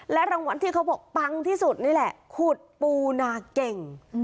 รางวัลที่เขาบอกปังที่สุดนี่แหละขุดปูนาเก่ง